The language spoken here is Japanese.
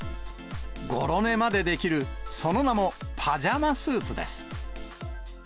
ごろ寝までできる、その名も、パジャマスーツです。